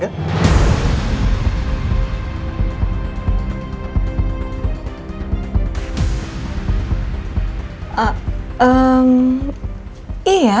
sertifikat rumah kita kamu yang simpen ya